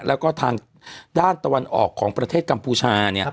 แล้วก็ทางด้านตะวันออกของประเทศกัมพูชา